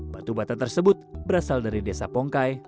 batu bata tersebut berasal dari desa pongkai